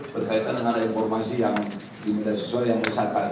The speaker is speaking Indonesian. berkaitan dengan informasi yang di media sosial yang disatakan